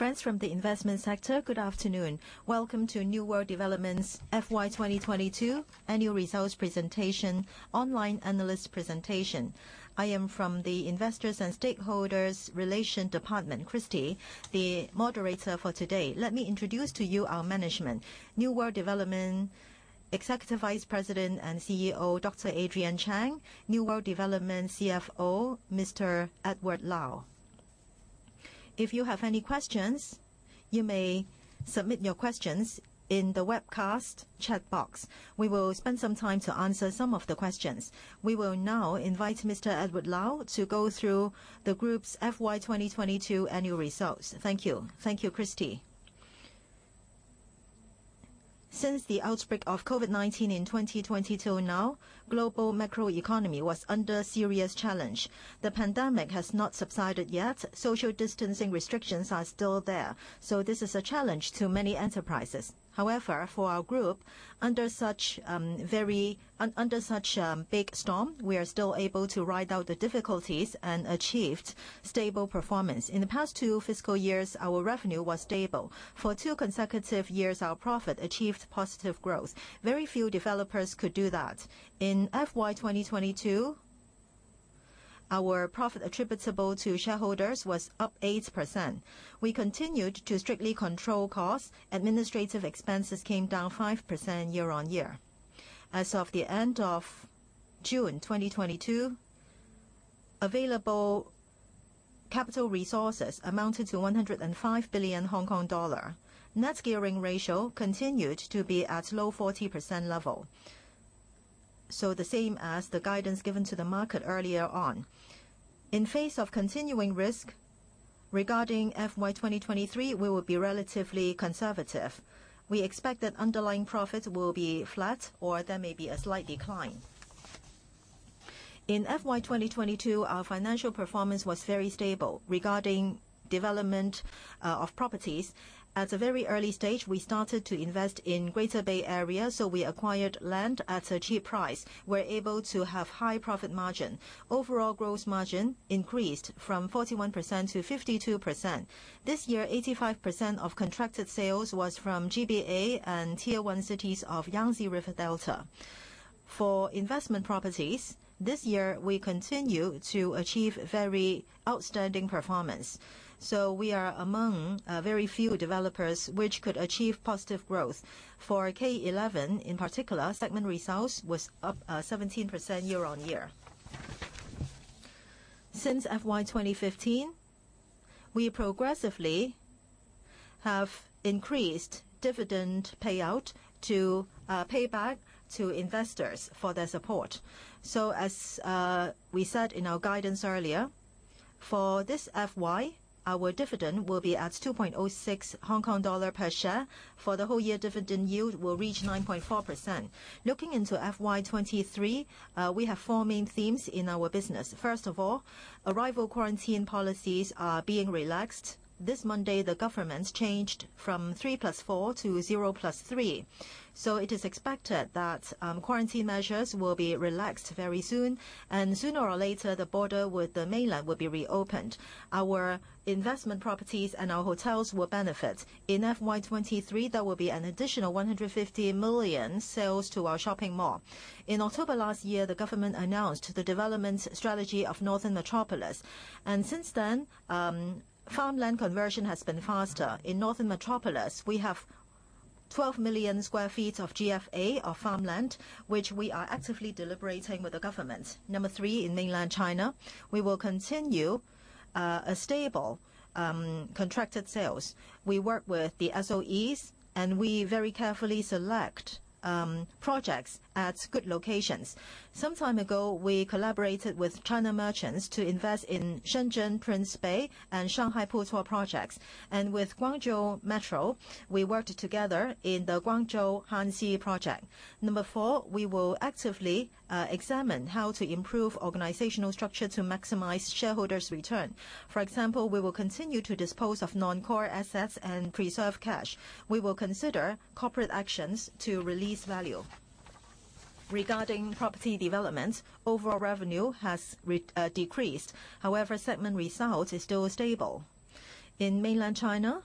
Friends from the investment sector, good afternoon. Welcome to New World Development's FY 2022 Annual Results Presentation Online Analyst Presentation. I am from the Investors and Stakeholders Relations Department, Christy, the moderator for today. Let me introduce to you our management. New World Development Executive Vice President and CEO, Dr. Adrian Cheng. New World Development CFO, Mr. Edward Lau. If you have any questions, you may submit your questions in the webcast chat box. We will spend some time to answer some of the questions. We will now invite Mr. Edward Lau to go through the group's FY 2022 annual results. Thank you. Thank you, Christy. Since the outbreak of COVID-19 in 2022 now, global macro economy was under serious challenge. The pandemic has not subsided yet. Social distancing restrictions are still there, so this is a challenge to many enterprises. However, for our group, under such, very Under such big storm, we are still able to ride out the difficulties and achieved stable performance. In the past two fiscal years, our revenue was stable. For two consecutive years, our profit achieved positive growth. Very few developers could do that. In FY 2022, our profit attributable to shareholders was up 8%. We continued to strictly control costs. Administrative expenses came down 5% year-on-year. As of the end of June 2022, available capital resources amounted to 105 billion Hong Kong dollar. Net gearing ratio continued to be at low 40% level, so the same as the guidance given to the market earlier on. In face of continuing risk regarding FY 2023, we will be relatively conservative. We expect that underlying profits will be flat, or there may be a slight decline. In FY 2022, our financial performance was very stable. Regarding development of properties, at the very early stage, we started to invest in Greater Bay Area, so we acquired land at a cheap price. We're able to have high profit margin. Overall gross margin increased from 41%-52%. This year, 85% of contracted sales was from GBA and Tier 1 cities of Yangtze River Delta. For investment properties, this year, we continue to achieve very outstanding performance, so we are among very few developers which could achieve positive growth. For K11, in particular, segment results was up 17% year-on-year. Since FY 2015, we progressively have increased dividend payout to pay back to investors for their support. As we said in our guidance earlier, for this FY, our dividend will be at 2.06 Hong Kong dollar per share. For the whole year, dividend yield will reach 9.4%. Looking into FY 2023, we have four main themes in our business. First of all, arrival quarantine policies are being relaxed. This Monday, the government changed from 3+4 to 0+3. It is expected that quarantine measures will be relaxed very soon. Sooner or later, the border with the mainland will be reopened. Our investment properties and our hotels will benefit. In FY 2023, there will be an additional 150 million sales to our shopping mall. In October last year, the government announced the development strategy of Northern Metropolis. Since then, farmland conversion has been faster. In Northern Metropolis, we have 12 million sq ft of GFA or farmland, which we are actively deliberating with the government. Number three, in mainland China, we will continue a stable contracted sales. We work with the SOEs, and we very carefully select projects at good locations. Some time ago, we collaborated with China Merchants to invest in Shenzhen Prince Bay and Shanghai Putuo projects. With Guangzhou Metro, we worked together in the Guangzhou Hanxi Project. Number four, we will actively examine how to improve organizational structure to maximize shareholders' return. For example, we will continue to dispose of non-core assets and preserve cash. We will consider corporate actions to release value. Regarding property development, overall revenue has decreased. However, segment result is still stable. In mainland China,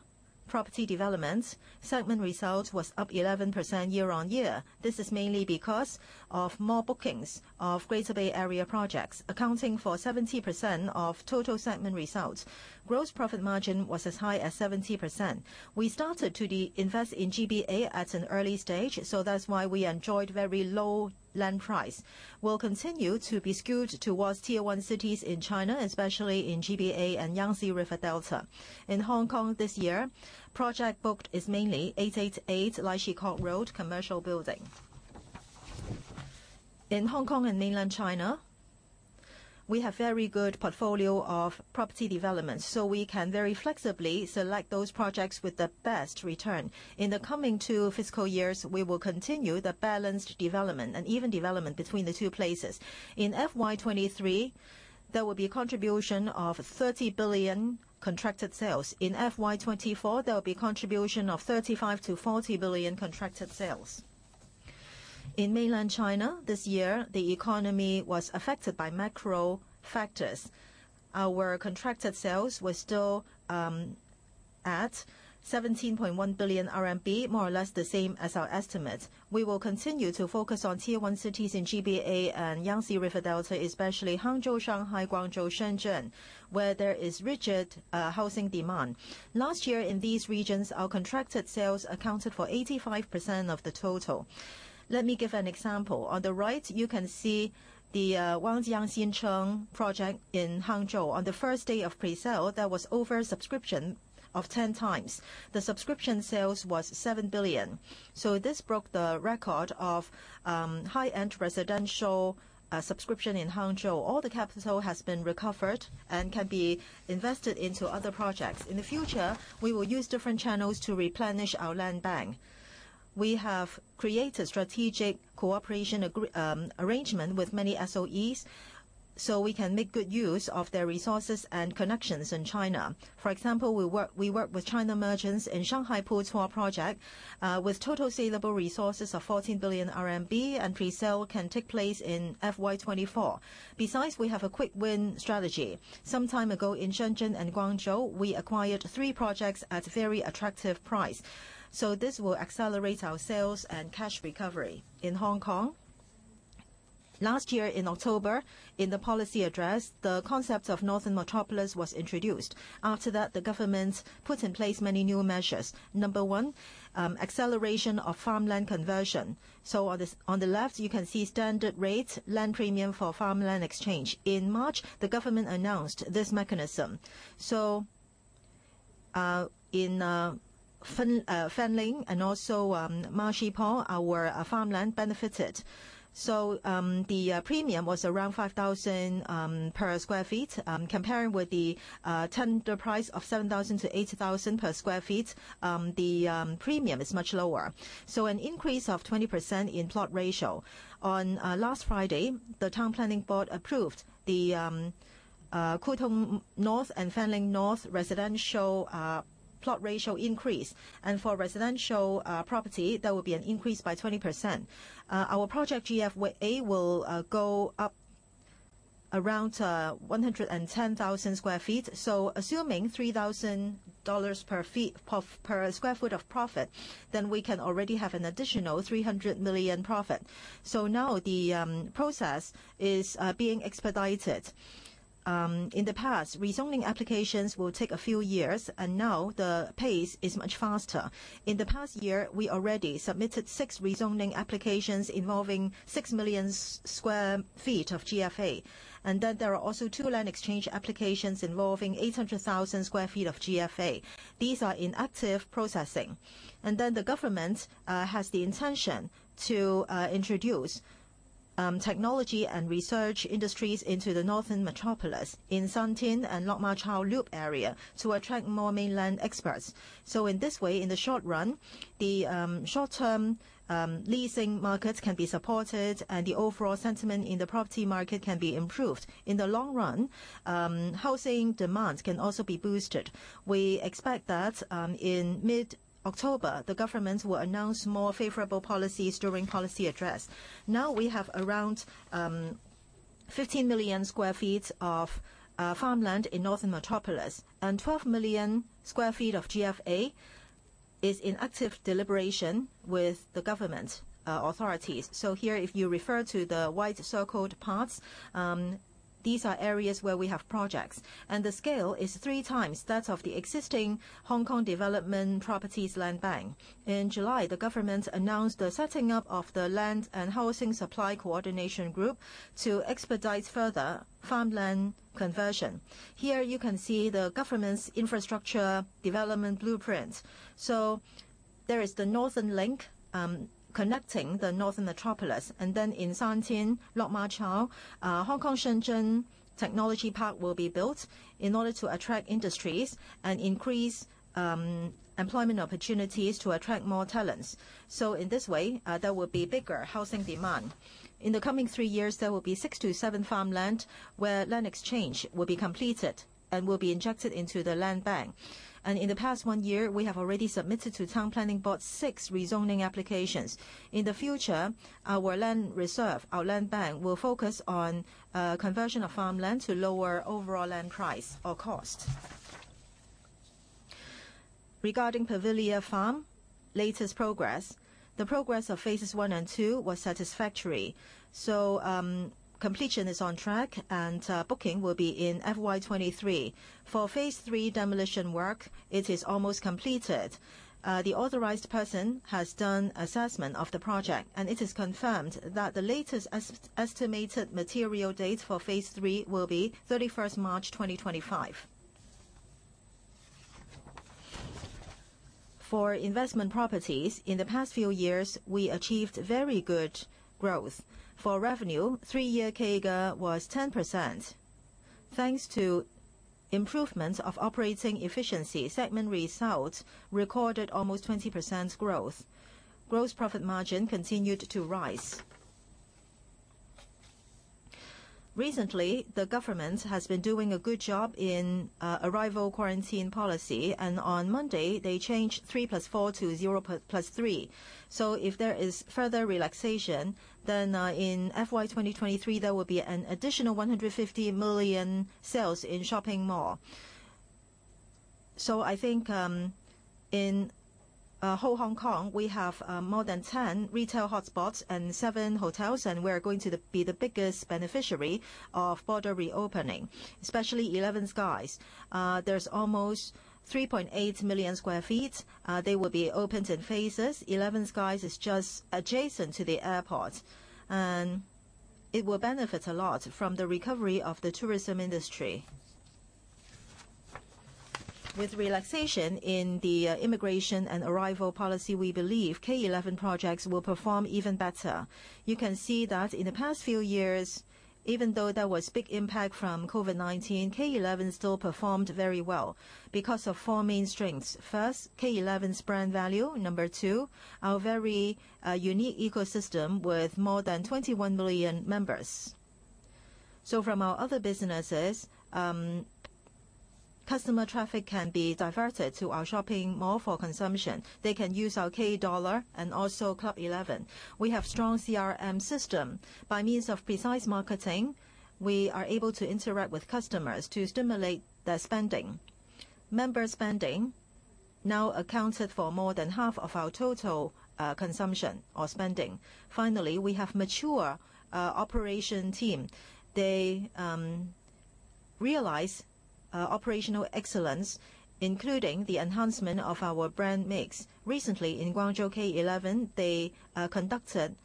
property development segment result was up 11% year-on-year. This is mainly because of more bookings of Greater Bay Area projects, accounting for 70% of total segment results. Gross profit margin was as high as 70%. We started to invest in GBA at an early stage, so that's why we enjoyed very low land price. We'll continue to be skewed towards Tier One cities in China, especially in GBA and Yangtze River Delta. In Hong Kong this year, project booked is mainly 888 Lai Chi Kok Road commercial building. In Hong Kong and mainland China, we have very good portfolio of property developments, so we can very flexibly select those projects with the best return. In the coming two fiscal years, we will continue the balanced development and even development between the two places. In FY 2023, there will be a contribution of 30 billion contracted sales. In FY 2024, there will be contribution of 30-40 billion contracted sales. In Mainland China this year, the economy was affected by macro factors. Our contracted sales were still at 17.1 billion RMB, more or less the same as our estimates. We will continue to focus on tier one cities in GBA and Yangtze River Delta, especially Hangzhou, Shanghai, Guangzhou, Shenzhen, where there is rigid housing demand. Last year in these regions, our contracted sales accounted for 85% of the total. Let me give an example. On the right, you can see the Wangjiang Xincheng project in Hangzhou. On the first day of presale, there was oversubscription of 10x. The subscription sales was 7 billion. This broke the record of high-end residential subscription in Hangzhou. All the capital has been recovered and can be invested into other projects. In the future, we will use different channels to replenish our land bank. We have created strategic cooperation arrangement with many SOEs, so we can make good use of their resources and connections in China. For example, we work with China Merchants in Shanghai Putuo project, with total saleable resources of 14 billion RMB and presale can take place in FY 2024. Besides, we have a quick win strategy. Some time ago in Shenzhen and Guangzhou, we acquired three projects at very attractive price. This will accelerate our sales and cash recovery. In Hong Kong, last year in October, in the policy address, the concept of Northern Metropolis was introduced. After that, the government put in place many new measures. Number one, acceleration of farmland conversion. On the left, you can see standard rates land premium for farmland exchange. In March, the government announced this mechanism. In Fanling and also Ma Shi Po, our farmland benefited. The premium was around 5,000 per sq ft. Comparing with the tender price of 7,000-8,000 per sq ft, the premium is much lower. An increase of 20% in plot ratio. On last Friday, the Town Planning Board approved the Kwu Tung North and Fanling North residential plot ratio increase. For residential property, there will be an increase by 20%. Our project GFA will go up around 110,000 sq ft. Assuming 3,000 dollars per sq ft of profit, then we can already have an additional 300 million profit. Now the process is being expedited. In the past, rezoning applications will take a few years and now the pace is much faster. In the past year, we already submitted six rezoning applications involving 6 million sq ft of GFA. There are also two land exchange applications involving 800,000 sq ft of GFA. These are in active processing. The government has the intention to introduce technology and research industries into the Northern Metropolis in San Tin and Lok Ma Chau Loop area to attract more mainland experts. In this way, in the short run, the short-term leasing markets can be supported and the overall sentiment in the property market can be improved. In the long run, housing demands can also be boosted. We expect that in mid-October, the government will announce more favorable policies during Policy Address. Now we have around 15 million sq ft of farmland in Northern Metropolis, and 12 million sq ft of GFA is in active deliberation with the government authorities. Here, if you refer to the wide-circled parts, these are areas where we have projects. The scale is three times that of the existing Hong Kong Development Properties Land Bank. In July, the government announced the setting up of the Land and Housing Supply Coordination Group to expedite further farmland conversion. Here you can see the government's infrastructure development blueprint. There is the Northern Link connecting the Northern Metropolis and then in San Tin, Lok Ma Chau, Hong Kong, Shenzhen, technology park will be built in order to attract industries and increase employment opportunities to attract more talents. In this way, there will be bigger housing demand. In the coming three years, there will be six to seven farmland, where land exchange will be completed and will be injected into the land bank. In the past one year, we have already submitted to Town Planning Board six rezoning applications. In the future, our land reserve, our land bank will focus on conversion of farmland to lower overall land price or cost. Regarding The Pavilia Farm latest progress, the progress of phases one and two was satisfactory. Completion is on track and booking will be in FY 2023. For phase three demolition work, it is almost completed. The authorized person has done assessment of the project, and it is confirmed that the latest estimated material date for phase three will be 31st March 2025. For investment properties, in the past few years, we achieved very good growth. For revenue, three-year CAGR was 10%. Thanks to improvements of operating efficiency, segment results recorded almost 20% growth. Gross profit margin continued to rise. Recently, the government has been doing a good job in arrival quarantine policy, and on Monday, they changed 3+4 -0++3. If there is further relaxation, then in FY 2023, there will be an additional 150 million sales in shopping mall. I think in whole Hong Kong, we have more than 10 retail hotspots and seven hotels, and we're going to be the biggest beneficiary of border reopening, especially 11 SKIES. There's almost 3.8 million sq ft. They will be opened in phases. 11 SKIES is just adjacent to the airport, and it will benefit a lot from the recovery of the tourism industry. With relaxation in the immigration and arrival policy, we believe K11 projects will perform even better. You can see that in the past few years, even though there was big impact from COVID-19, K11 still performed very well because of four main strengths. First, K11's brand value. Number two, our very unique ecosystem with more than 21 million members. From our other businesses, customer traffic can be diverted to our shopping mall for consumption. They can use our K Dollar and also KLUB 11. We have strong CRM system. By means of precise marketing, we are able to interact with customers to stimulate their spending. Member spending now accounted for more than half of our total consumption or spending. Finally, we have mature operation team. They realize operational excellence, including the enhancement of our brand mix. Recently, in Guangzhou K11, they conducted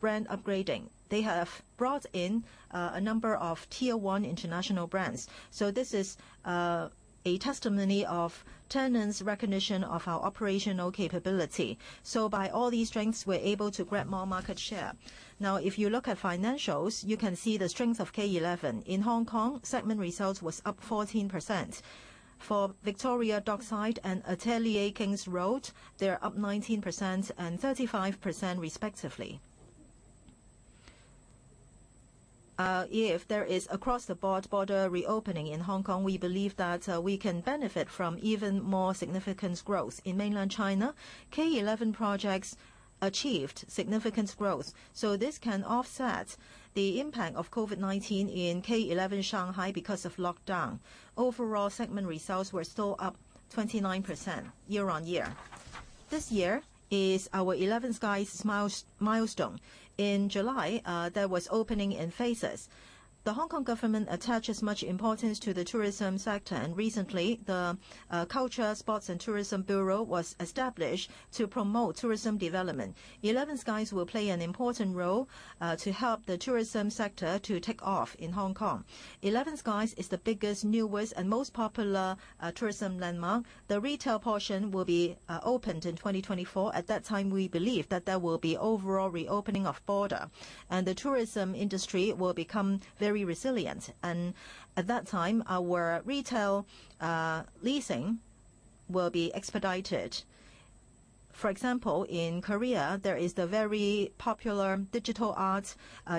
brand upgrading. They have brought in a number of tier one international brands. This is a testimony of tenants' recognition of our operational capability. By all these strengths, we're able to grab more market share. Now, if you look at financials, you can see the strength of K11. In Hong Kong, segment results was up 14%. For Victoria Dockside and K11 ATELIER King's Road, they're up 19% and 35% respectively. If there is across-the-board border reopening in Hong Kong, we believe that we can benefit from even more significant growth. In Mainland China, K11 projects achieved significant growth, so this can offset the impact of COVID-19 in K11 Shanghai because of lockdown. Overall segment results were still up 29% year-on-year. This year is our 11 SKIES milestone. In July, there was opening in phases. The Hong Kong government attaches much importance to the tourism sector, and recently, the Culture, Sports and Tourism Bureau was established to promote tourism development. 11 SKIES will play an important role to help the tourism sector to take off in Hong Kong. 11 SKIES is the biggest, newest and most popular tourism landmark. The retail portion will be opened in 2024. At that time, we believe that there will be overall reopening of border, and the tourism industry will become very resilient. At that time, our retail leasing will be expedited. For example, in Korea, there is the very popular digital arts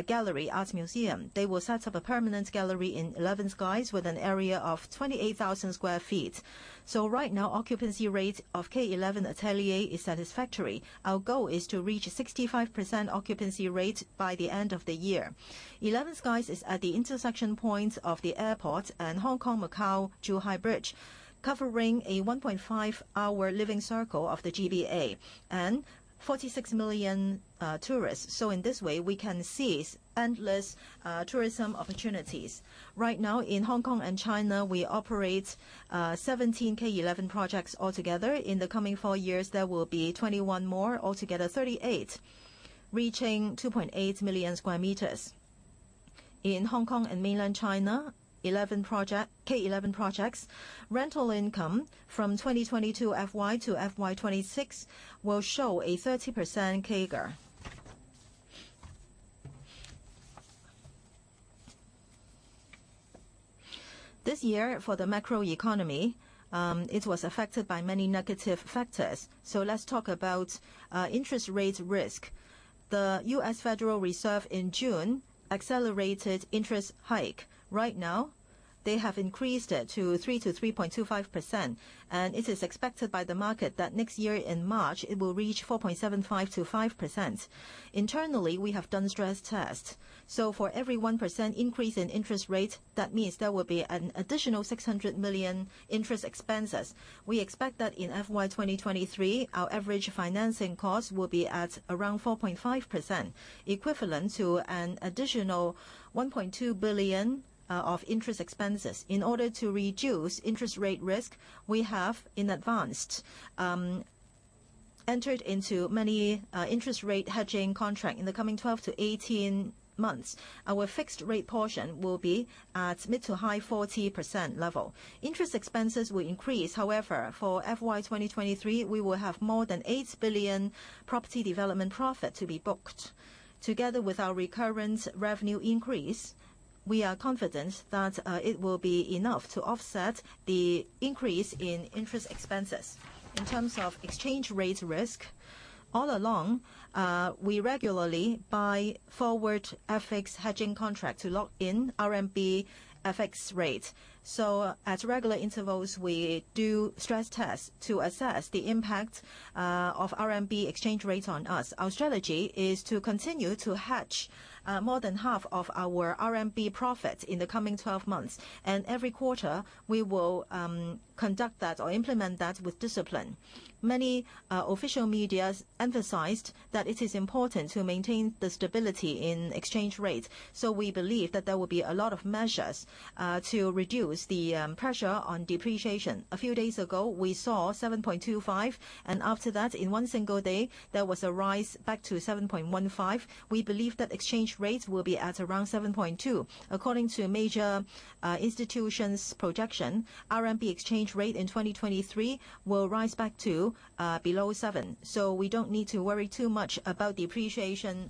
gallery, arts museum. They will set up a permanent gallery in 11 SKIES with an area of 28,000 sq ft. So right now, occupancy rate of K11 ATELIER is satisfactory. Our goal is to reach 65% occupancy rate by the end of the year. 11 SKIES is at the intersection points of the airport and Hong Kong-Zhuhai-Macao Bridge, covering a 1.5-hour living circle of the GBA and 46 million tourists. In this way, we can seize endless tourism opportunities. Right now, in Hong Kong and China, we operate 17 K11 projects altogether. In the coming four years, there will be 21 more, altogether 38, reaching 2.8 million sq m. In Hong Kong and Mainland China, 11 K11 projects, rental income from 2022 FY to FY 2026 will show a 30% CAGR. This year for the macro economy, it was affected by many negative factors. Let's talk about interest rate risk. The US Federal Reserve in June accelerated interest rate hike. Right now, they have increased it to 3%-3.25%, and it is expected by the market that next year in March, it will reach 4.75%-5%. Internally, we have done stress tests. For every 1% increase in interest rate, that means there will be an additional 600 million interest expenses. We expect that in FY 2023, our average financing cost will be at around 4.5%, equivalent to an additional 1.2 billion of interest expenses. In order to reduce interest rate risk, we have in advance entered into many interest rate hedging contracts in the coming 12-18 months. Our fixed rate portion will be at mid- to high-40% level. Interest expenses will increase. However, for FY 2023, we will have more than 8 billion property development profit to be booked. Together with our recurrent revenue increase, we are confident that it will be enough to offset the increase in interest expenses. In terms of exchange rate risk, all along we regularly buy forward FX hedging contract to lock in RMB FX rate. At regular intervals, we do stress tests to assess the impact of RMB exchange rate on us. Our strategy is to continue to hedge more than half of our RMB profit in the coming 12 months and every quarter, we will conduct that or implement that with discipline. Many official media emphasized that it is important to maintain the stability in exchange rate. We believe that there will be a lot of measures to reduce the pressure on depreciation. A few days ago, we saw 7.25, and after that, in one single day, there was a rise back to 7.15. We believe that exchange rate will be at around 7.2. According to major institutions' projection, RMB exchange rate in 2023 will rise back to below seven, so we don't need to worry too much about depreciation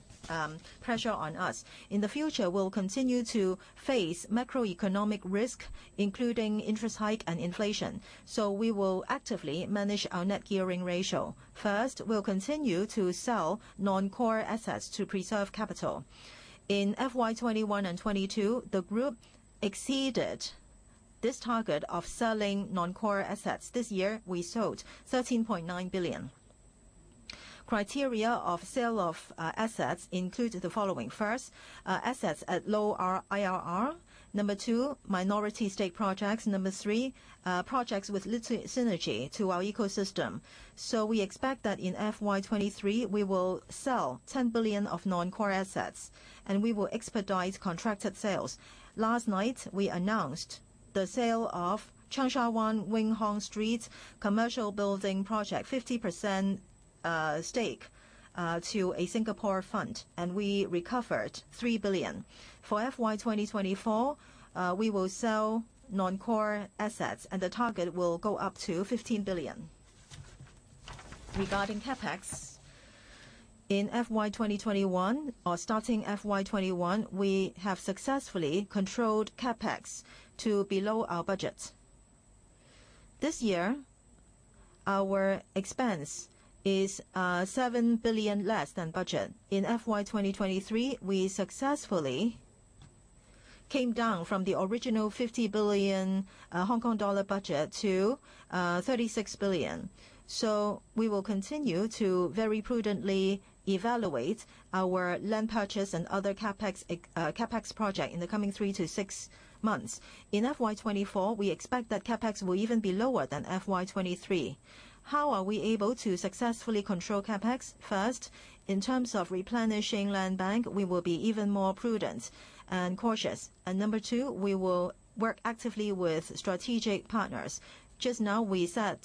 pressure on us. In the future, we'll continue to face macroeconomic risk, including interest hike and inflation, so we will actively manage our net gearing ratio. First, we'll continue to sell non-core assets to preserve capital. In FY 2021 and 2022, the group exceeded this target of selling non-core assets. This year, we sold 13.9 billion. Criteria of sale of assets include the following. First, assets at low IRR. Number two, minority stake projects. Number three, projects with lit synergy to our ecosystem. We expect that in FY 2023, we will sell 10 billion of non-core assets, and we will expedite contracted sales. Last night, we announced the sale of Cheung Sha Wan Wing Hong Street Commercial Building project, 50% stake to a Singapore fund, and we recovered 3 billion. For FY 2024, we will sell non-core assets, and the target will go up to 15 billion. Regarding CapEx, in FY 2021 or starting FY 2021, we have successfully controlled CapEx to below our budget. This year, our expense is 7 billion less than budget. In FY 2023, we successfully came down from the original 50 billion Hong Kong dollar budget to 36 billion. We will continue to very prudently evaluate our land purchase and other CapEx. CapEx project in the coming three to six months. In FY 2024, we expect that CapEx will even be lower than FY 2023. How are we able to successfully control CapEx? First, in terms of replenishing land bank, we will be even more prudent and cautious. Number two, we will work actively with strategic partners. Just now we said,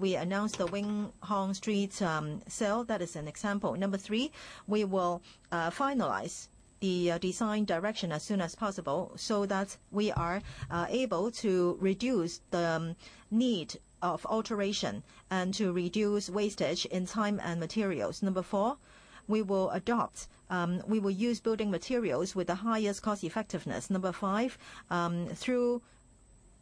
we announced the Wing Hong Street sale. That is an example. Number three, we will finalize the design direction as soon as possible so that we are able to reduce the need of alteration and to reduce wastage in time and materials. Number four, we will use building materials with the highest cost effectiveness. Number five, through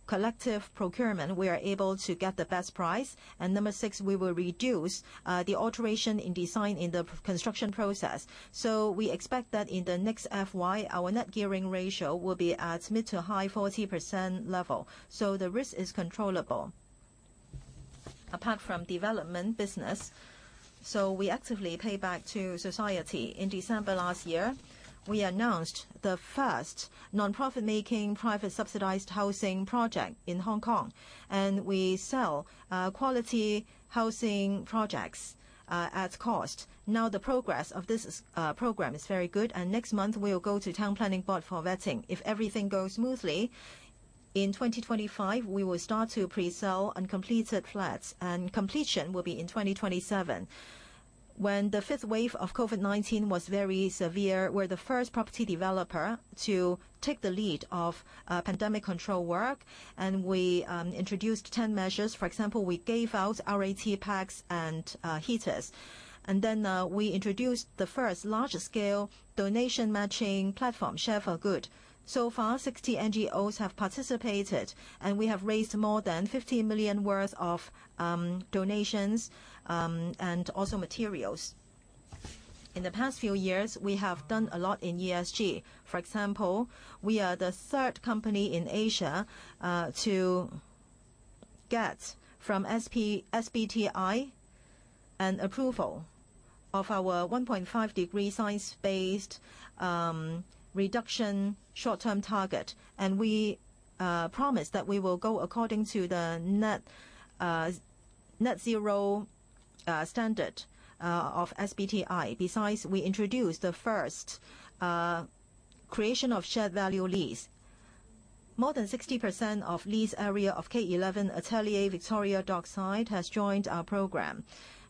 collective procurement, we are able to get the best price. Number six, we will reduce the alteration in design in the construction process. We expect that in the next FY, our net gearing ratio will be at mid- to high-40% level, so the risk is controllable. Apart from development business, we actively pay back to society. In December last year, we announced the first non-profit making private subsidized housing project in Hong Kong, and we sell quality housing projects at cost. Now, the progress of this program is very good. Next month, we will go to Town Planning Board for vetting. If everything goes smoothly, in 2025, we will start to pre-sell uncompleted flats, and completion will be in 2027. When the fifth wave of COVID-19 was very severe, we're the first property developer to take the lead of pandemic control work, and we introduced 10 measures. For example, we gave out RAT packs and heaters. We introduced the first large scale donation matching platform, Share for Good. So far, 60 NGOs have participated, and we have raised more than 50 million worth of donations and also materials. In the past few years, we have done a lot in ESG. For example, we are the third company in Asia to get from SBTi an approval of our 1.5 degree science-based reduction short-term target. We promise that we will go according to the net zero standard of SBTi. Besides, we introduced the first Creating Shared Value lease. More than 60% of lease area of K11 ATELIER Victoria Dockside has joined our program.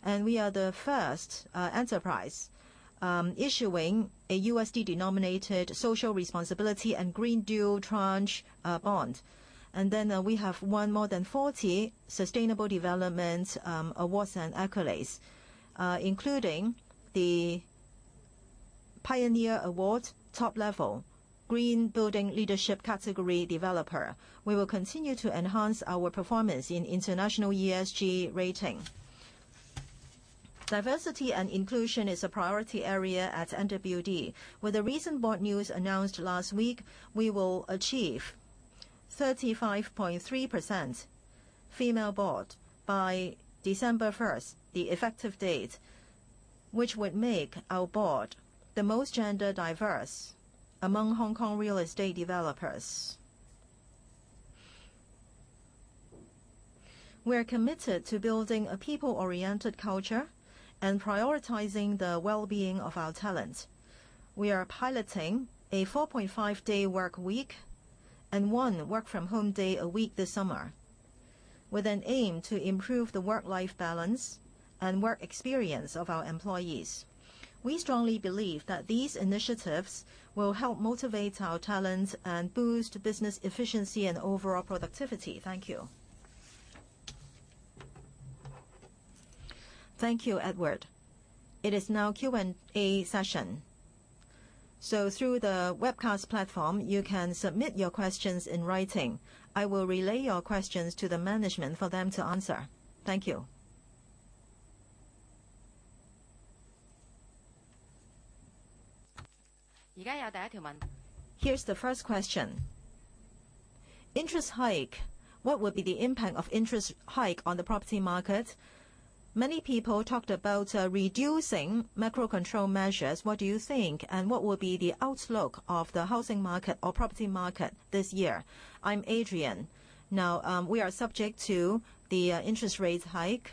We are the first enterprise issuing a USD-denominated social responsibility and green dual tranche bond. We have won more than 40 sustainable development awards and accolades, including the Pioneer Award top-level Green Building Leadership category developer. We will continue to enhance our performance in international ESG rating. Diversity and inclusion is a priority area at NWD. With the recent board news announced last week, we will achieve 35.3% female board by December first, the effective date, which would make our board the most gender diverse among Hong Kong real estate developers. We are committed to building a people-oriented culture and prioritizing the well-being of our talents. We are piloting a 4.5-day work week and one work from home day a week this summer, with an aim to improve the work-life balance and work experience of our employees. We strongly believe that these initiatives will help motivate our talents and boost business efficiency and overall productivity. Thank you. Thank you, Edward. It is now Q&A session. So through the webcast platform, you can submit your questions in writing. I will relay your questions to the management for them to answer. Thank you. Here's the first question. Interest hike. What would be the impact of interest hike on the property market? Many people talked about reducing macro control measures. What do you think? And what will be the outlook of the housing market or property market this year? I'm Adrian. Now, we are subject to the interest rate hike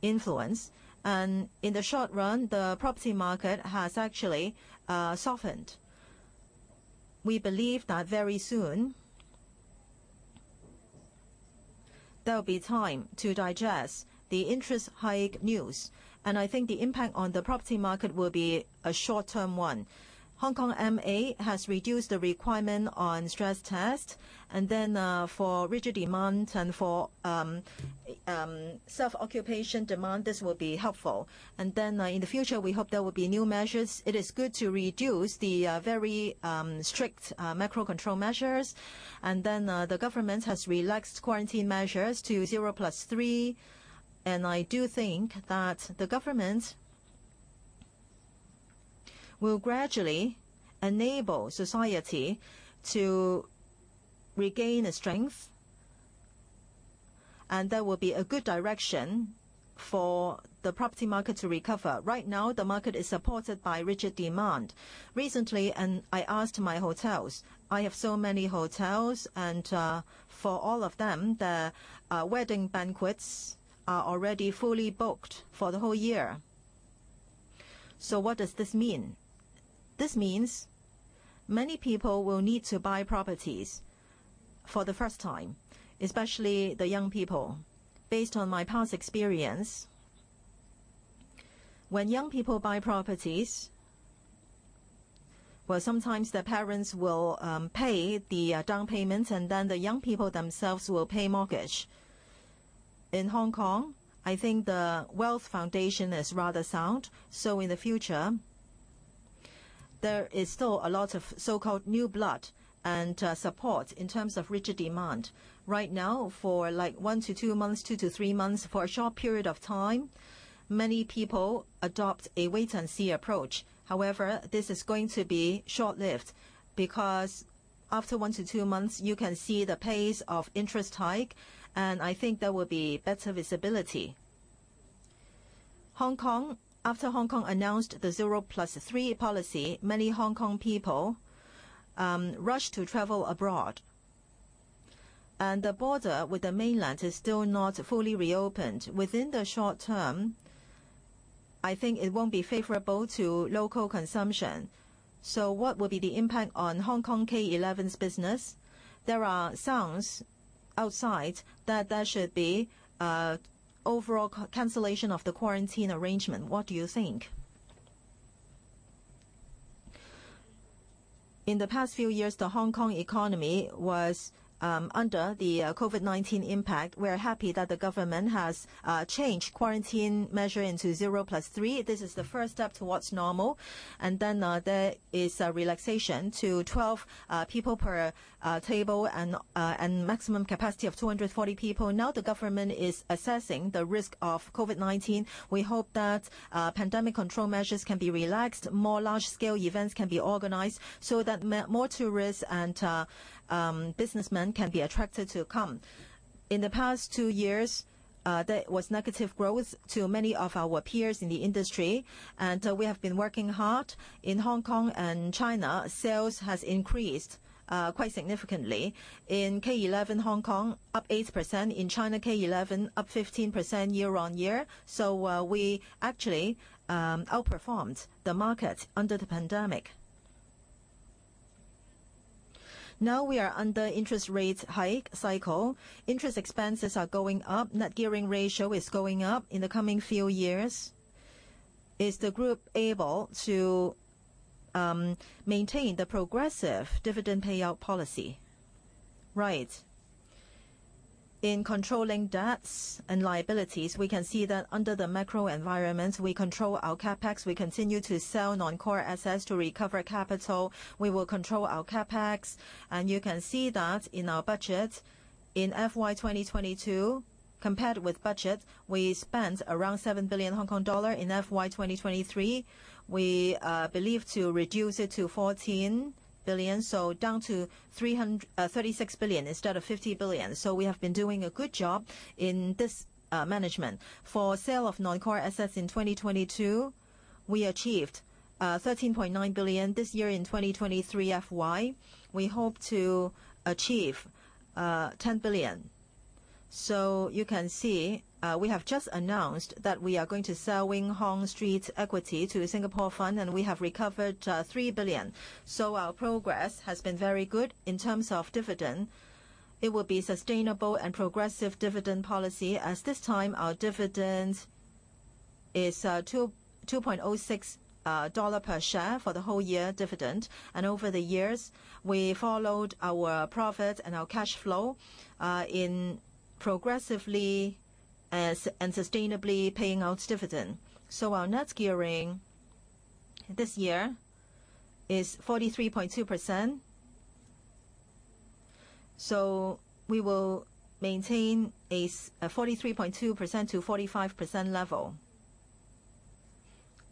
influence. In the short run, the property market has actually softened. We believe that very soon, there'll be time to digest the interest hike news. I think the impact on the property market will be a short-term one. HKMA has reduced the requirement on stress test. For rigid demand and for self-occupation demand, this will be helpful. In the future, we hope there will be new measures. It is good to reduce the very strict macro control measures. The government has relaxed quarantine measures to zero plus three. I do think that the government will gradually enable society to regain its strength, and there will be a good direction for the property market to recover. Right now, the market is supported by rigid demand. Recently, I asked my hotels. I have so many hotels and for all of them, their wedding banquets are already fully booked for the whole year. What does this mean? This means many people will need to buy properties for the first time, especially the young people. Based on my past experience, when young people buy properties, well, sometimes the parents will pay the down payments, and then the young people themselves will pay mortgage. In Hong Kong, I think the wealth foundation is rather sound. In the future, there is still a lot of so-called new blood and support in terms of rigid demand. Right now, for like one to two months, two to four months, for a short period of time, many people adopt a wait and see approach. However, this is going to be short-lived because after one to two months, you can see the pace of interest hike, and I think there will be better visibility. Hong Kong, after Hong Kong announced the zero plus three policy, many Hong Kong people rushed to travel abroad. The border with the mainland is still not fully reopened. Within the short term, I think it won't be favorable to local consumption. What will be the impact on K11 Hong Kong's business? There are signs outside that there should be overall cancellation of the quarantine arrangement. What do you think? In the past few years, the Hong Kong economy was under the COVID-19 impact. We're happy that the government has changed quarantine measure into zero plus three. This is the first step towards normal. There is a relaxation to 12 people per table and maximum capacity of 240 people. Now, the government is assessing the risk of COVID-19. We hope that pandemic control measures can be relaxed, more large scale events can be organized so that more tourists and businessmen can be attracted to come. In the past two years, there was negative growth to many of our peers in the industry, and we have been working hard. In Hong Kong and China, sales has increased quite significantly. In K11 Hong Kong, up 8%. In China K11, up 15% year-on-year. We actually outperformed the market under the pandemic. Now we are under interest rates hike cycle. Interest expenses are going up, net gearing ratio is going up in the coming few years. Is the group able to maintain the progressive dividend payout policy? Right. In controlling debts and liabilities, we can see that under the macro environment, we control our CapEx, we continue to sell non-core assets to recover capital. We will control our CapEx. You can see that in our budget in FY 2022, compared with budget, we spent around 7 billion Hong Kong dollar. In FY 2023, we believe to reduce it to 14 billion, so down to 36 billion instead of 50 billion. We have been doing a good job in this management. For sale of non-core assets in 2022, we achieved 13.9 billion. This year in 2023 FY, we hope to achieve 10 billion. You can see, we have just announced that we are going to sell Wing Hong Street equity to Singapore Fund, and we have recovered 3 billion. Our progress has been very good in terms of dividend. It will be sustainable and progressive dividend policy as this time our dividend is 2.06 dollar per share for the whole year dividend. Over the years, we followed our profit and our cash flow in progressively as and sustainably paying out dividend. Our net gearing this year is 43.2%. We will maintain a 43.2%-45% level.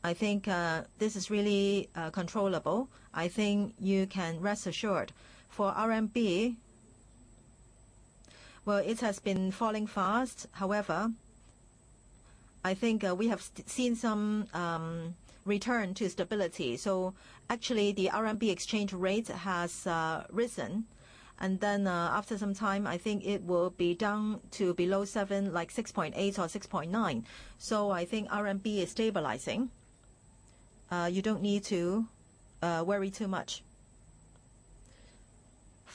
I think this is really controllable. I think you can rest assured. For RMB, well, it has been falling fast. However, I think we have seen some return to stability. Actually the RMB exchange rate has risen. After some time, I think it will be down to below seven, like 6.8 or 6.9. So I think RMB is stabilizing. You don't need to worry too much.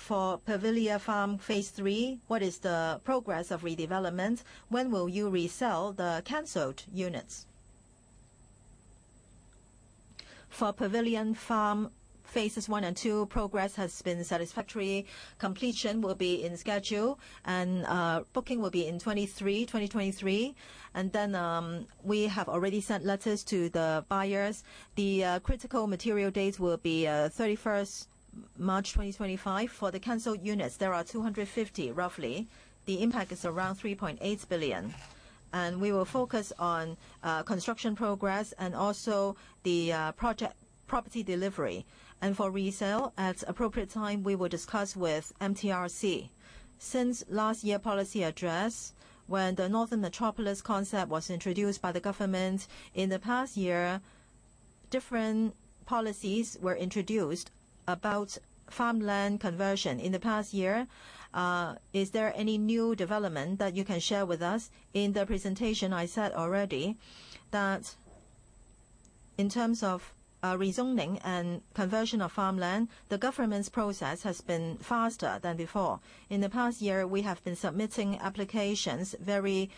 For The Pavilia Farm phase three, what is the progress of redevelopment? When will you resell the canceled units? For The Pavilia Farm phases one and two, progress has been satisfactory. Completion will be in schedule, and booking will be in 2023. We have already sent letters to the buyers. The critical material dates will be 31 March 2025. For the canceled units, there are 250, roughly. The impact is around 3.8 billion. We will focus on construction progress and also the project property delivery. For resale, at appropriate time, we will discuss with MTR Corporation. Since last year policy address, when the Northern Metropolis concept was introduced by the government, in the past year, different policies were introduced about farmland conversion. In the past year, is there any new development that you can share with us? In the presentation, I said already that in terms of rezoning and conversion of farmland, the government's process has been faster than before. In the past year, we have been submitting applications very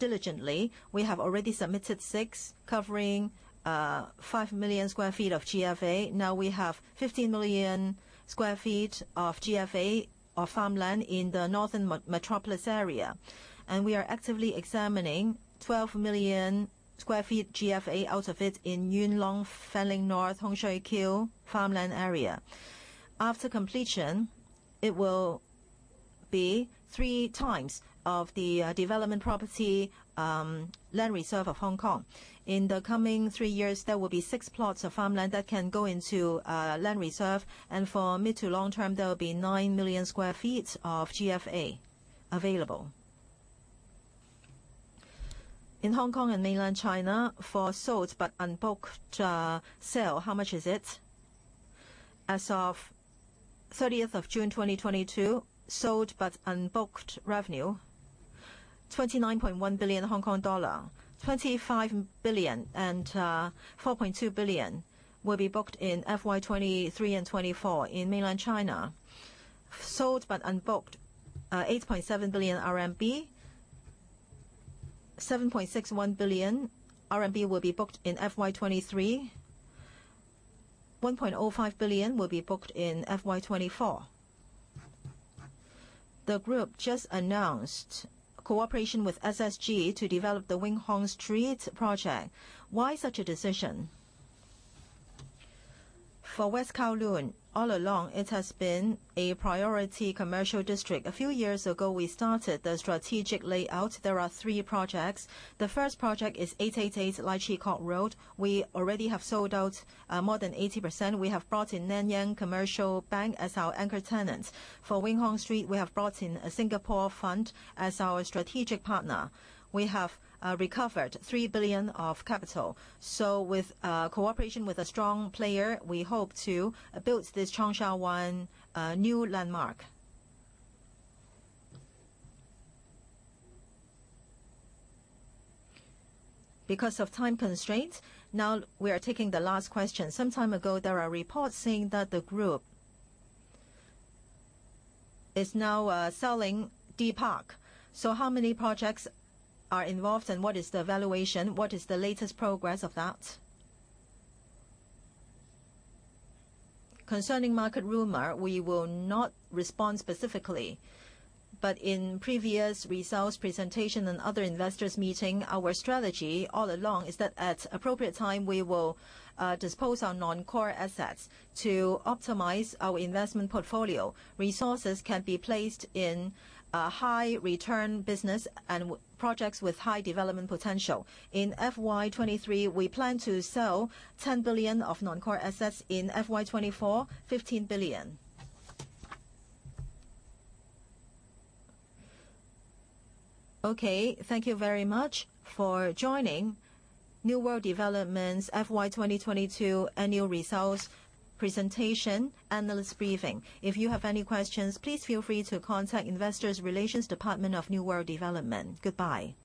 diligently. We have already submitted six, covering 5 million sq ft of GFA. Now we have 15 million sq ft of GFA or farmland in the Northern Metropolis area, and we are actively examining 12 million sq ft GFA out of it in Yuen Long, Fanling North, Hung Shui Kiu farmland area. After completion, it will be three times of the development property land reserve of Hong Kong. In the coming three years, there will be six plots of farmland that can go into land reserve. For mid to long term, there will be nine million sq ft of GFA available. In Hong Kong and Mainland China, for sold but unbooked sale, how much is it? As of thirtieth of June 2022, sold but unbooked revenue, 29.1 billion Hong Kong dollar. 25 billion and 4.2 billion will be booked in FY 2023 and 2024. In Mainland China, sold but unbooked, 8.7 billion RMB. 7.61 billion RMB will be booked in FY 2023. 1.05 billion will be booked in FY 2024. The group just announced cooperation with SSG to develop the Wing Hong Street project. Why such a decision? For West Kowloon, all along it has been a priority commercial district. A few years ago, we started the strategic layout. There are three projects. The first project is 888 Lai Chi Kok Road. We already have sold out more than 80%. We have brought in Nanyang Commercial Bank as our anchor tenant. For Wing Hong Street, we have brought in a Singapore fund as our strategic partner. We have recovered 3 billion of capital. With cooperation with a strong player, we hope to build this Cheung Sha Wan new landmark. Because of time constraints, now we are taking the last question. Some time ago, there are reports saying that the group is now selling D‧PARK. How many projects are involved, and what is the valuation? What is the latest progress of that? Concerning market rumor, we will not respond specifically. In previous results presentation and other investors meeting, our strategy all along is that at appropriate time, we will dispose our non-core assets to optimize our investment portfolio. Resources can be placed in high return business and projects with high development potential. In FY 2023, we plan to sell 10 billion of non-core assets. In FY 2024, 15 billion. Okay. Thank you very much for joining New World Development's FY 2022 annual results presentation analyst briefing. If you have any questions, please feel free to contact Investor Relations Department of New World Development. Goodbye.